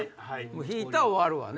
引いたら終わるわね。